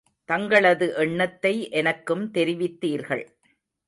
தங்களது எணத்தை எனக்கும் தெரிவித்தீர்கள்.